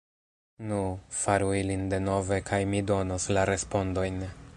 Nu, faru ilin denove kaj mi donos la respondojn.